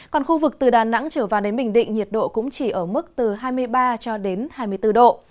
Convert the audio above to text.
còn khu vực từ đà nẵng trở vào đến bình định nhiệt độ cũng chỉ ở mức từ hai mươi ba cho đến hai mươi bốn độ